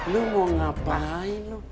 lu mau ngapain lu